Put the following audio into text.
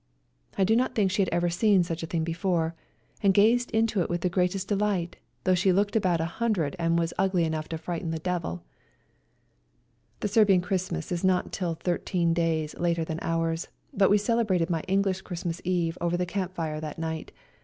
I do not think she had ever seen such a thing before, and gazed into it with the greatest delight though she looked about a hundred and was ugly enough to frighten the devil. 156 ELBASAX The Serbian Christmas is not till thir teen days later than ours, but we cele brated my English Christmas Eve over the camp fire that night.